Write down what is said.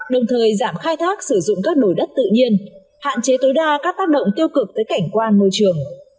đồng thời giảm khai thác sử dụng các nổi đất tự nhiên hạn chế tối đa các tác động tiêu cực tới cảnh quan môi trường